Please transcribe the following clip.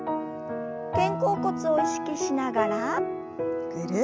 肩甲骨を意識しながらぐるっと。